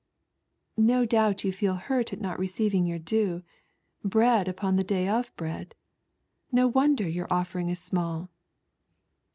" No doubt you feel hurt at not receiving your due : I bread upon the Day of Bread. No wonder your goffering is small."